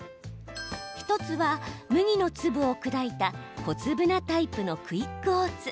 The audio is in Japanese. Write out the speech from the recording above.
１つは麦の粒を砕いた小粒なタイプのクイックオーツ。